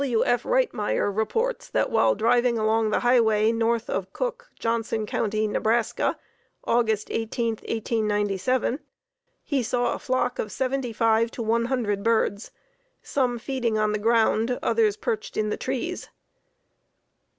W. F. Rightmire reports that while driving along the highway north of Cook, Johnson County, Neb., August 18, 1897, he saw a flock of seventy five to one hundred birds; some feeding on the ground, others perched in the trees.